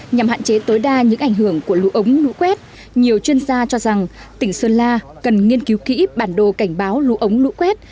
nhằm hạn chế tối đa những ảnh hưởng của lũ ống lũ quét nhiều chuyên gia cho rằng tỉnh sơn la cần nghiên cứu kỹ bản đồ cảnh báo lũ ống lũ quét